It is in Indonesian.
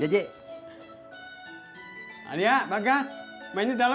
kayaknyanya ada bagan buna haceh dul crustello